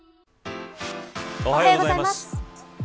おはようございます。